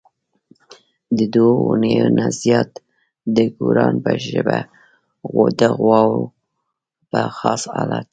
د دوو اونیو نه زیات د ګوروان په ژبه د غواوو په خاص الت.